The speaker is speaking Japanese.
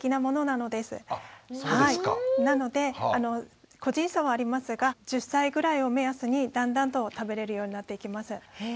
なので個人差はありますが１０歳ぐらいを目安にだんだんと食べれるようになっていきます。